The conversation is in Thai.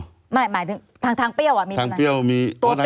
หมายถึงทางเปรี้ยวมีทนาย